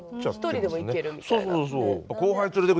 一人でも行けるみたいな。